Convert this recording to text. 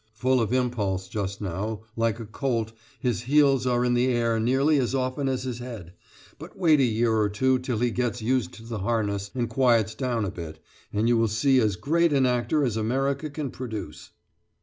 Full of impulse just now, like a colt, his heels are in the air nearly as often as his head, but wait a year or two till he gets used to the harness and quiets down a bit, and you will see as great an actor as America can produce!"